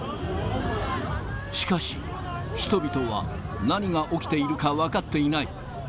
しかし、人々は何が起きているか分かっていない。